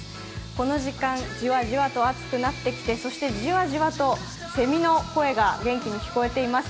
この時間、じわじわと暑くなってきて、そしてじわじわとセミの声が元気に聞こえています。